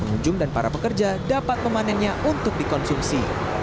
pengunjung dan para pekerja dapat memanennya untuk dikonsumsi